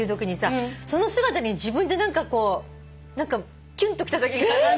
その姿に自分で何かこうキュンときたときがある。